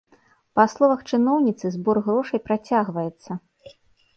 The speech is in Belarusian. Па словах чыноўніцы, збор грошай працягваецца.